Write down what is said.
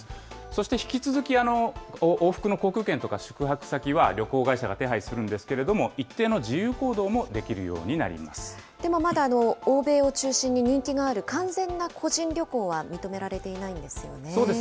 そして引き続き、往復の航空券とか宿泊先は旅行会社が手配するんですけれども、一定の自由行動もでもまだ、欧米を中心に人気がある完全な個人旅行は認められていないんですよね？